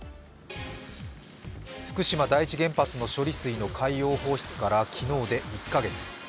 福島第一原発の処理水の海洋放出から昨日で１か月。